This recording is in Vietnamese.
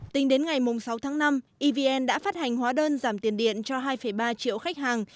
tính đến ngày sáu tháng năm evn đã phát hành hóa đơn giảm tiền điện cho hai ba triệu khách hàng